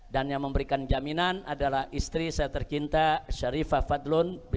dan yang memberikan jaminan adalah istri saya tercinta syarifah fadlun binti fadli